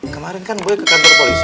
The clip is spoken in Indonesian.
kemarin kan boy ke kantor polisi ya